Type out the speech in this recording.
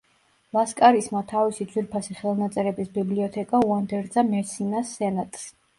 ლასკარისმა თავისი ძვირფასი ხელნაწერების ბიბლიოთეკა უანდერძა მესინას სენატს.